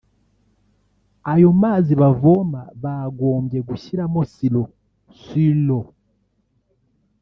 ayo mazi bavoma bagombye gushyiramo siro (sur eau)